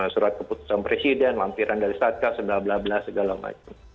surat keputusan presiden lampiran dari satka segala gala